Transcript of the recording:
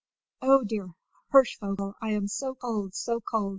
"O, dear Hirschvogel, I am so cold, so cold!"